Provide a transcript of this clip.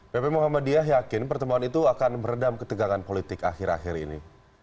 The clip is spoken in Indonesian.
pp muhammadiyah yakin pertemuan itu akan meredam ketegangan politik akhir akhir ini